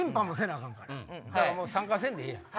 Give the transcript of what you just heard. だから参加せんでええやん。